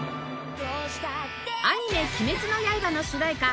アニメ『鬼滅の刃』の主題歌